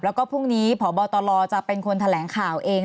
แล้วก็พรุ่งนี้พบตลจะเป็นคนแถลงข่าวเอง